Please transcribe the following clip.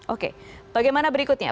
oke bagaimana berikutnya